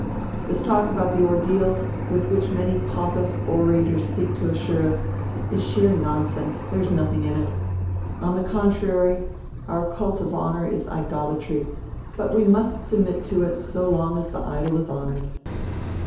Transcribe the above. This talk about die 'ordeal,' with which many pompous orators seek to assure us, is sheer nonsense, there is nothing in it On the contrary, our cult of honor is idolatry, but we must submit to it so long as die idol is honored."